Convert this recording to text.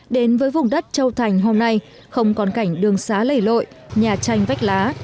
đến với vùng đất châu thành hôm nay không còn cảnh đường xá lầy lội nhà tranh vách lá